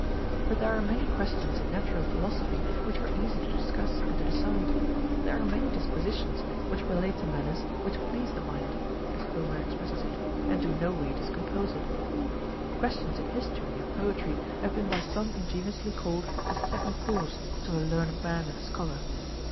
But there are many questions in natural philosophy Avhich are easy to discuss and to decide ; there are many disquisitions Avhich relate to manners, which please the mind (as Homer expresses it) and do no Λvay discompose it. Questions in history and poetry have been by some ingeniously called a second course to a learned man and a scholar.